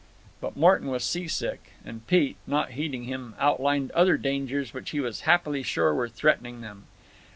But Morton was seasick; and Pete, not heeding him, outlined other dangers which he was happily sure were threatening them.